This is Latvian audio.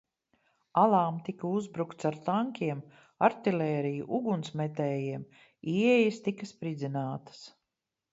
Alām tika uzbrukts ar tankiem, artilēriju, ugunsmetējiem, ieejas tika spridzinātas.